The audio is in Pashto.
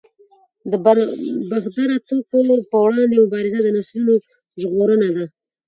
د مخدره توکو پر وړاندې مبارزه د نسلونو ژغورنه ده.